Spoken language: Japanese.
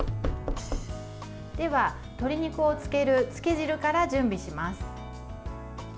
では、鶏肉をつけるつけ汁から準備します。